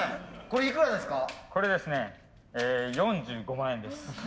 これですね４５万円です。